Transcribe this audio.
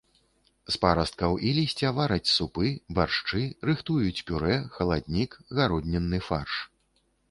З парасткаў і лісця вараць супы, баршчы, рыхтуюць пюрэ, халаднік, гароднінны фарш.